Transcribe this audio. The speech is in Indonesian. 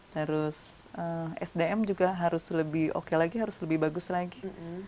terus sdm juga harus lebih oke lagi harus lebih bagus lagi